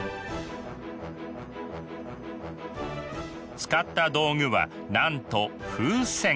使った道具はなんと風船。